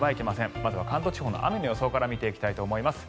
まずは関東地方の雨の予想から見ていきたいと思います。